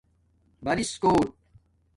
برِس کوٹ